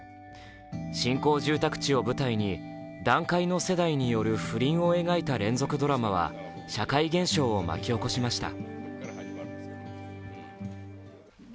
新興住宅地を舞台に団塊の世代による不倫を描いた連続ドラマは社会現象を巻き起こしました。